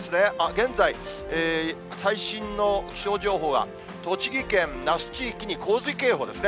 現在、最新の気象情報が、栃木県那須地域に洪水警報ですね。